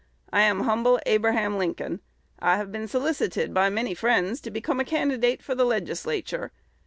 I am humble Abraham Lincoln. I have been solicited by many friends to become a candidate for the Legislature.